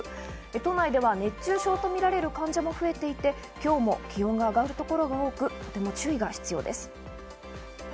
都内では熱中症とみられる患者も増えていて、今日も気温が上がる所が多く、注意が必要です。